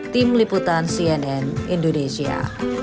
tim liputan cnn indonesia